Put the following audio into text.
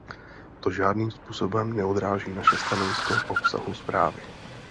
To žádným způsobem neodráží naše stanovisko k obsahu zprávy.